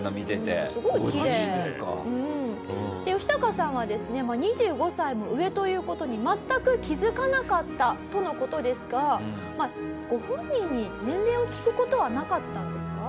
ヨシタカさんはですね２５歳も上という事に全く気づかなかったとの事ですがご本人に年齢を聞く事はなかったんですか？